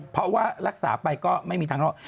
เพราะว่ารักษาไปก็ไม่มีทางรอด